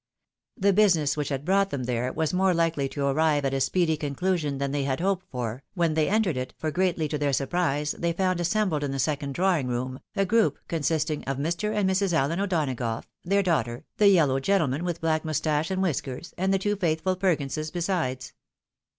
The business which had brought them there was more hkely to arrive at a speedy conclusion than they had hoped for, when they entered it, for greatly to their surprise they found assem bled in the second drawing room, a group consisting of Mr. and Mrs. Allen O'Donagough, their daughter, the yellow gentleman with black mustache and whiskers, and the two foithful Perkinses besides.